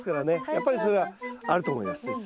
やっぱりそれはあると思います。